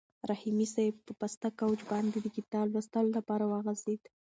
رحیمي صیب په پاسته کوچ باندې د کتاب لوستلو لپاره وغځېد.